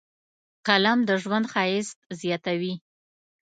قلم د ژوند ښایست زیاتوي